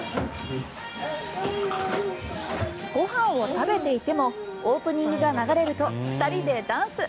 ご飯を食べていてもオープニングが流れると２人でダンス。